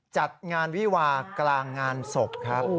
จัดงานวิวากลางงานศพครับ